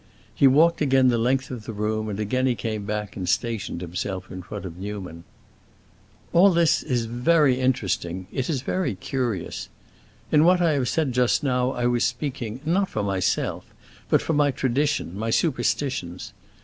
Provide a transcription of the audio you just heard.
He walked again the length of the room, and again he came back and stationed himself in front of Newman. "All this is very interesting—it is very curious. In what I said just now I was speaking, not for myself, but for my tradition, my superstitions.